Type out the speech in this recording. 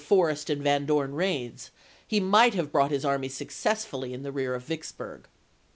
Forrest and Van Dorn raids, lie might have brought his army successfully in the rear of Vicksburg.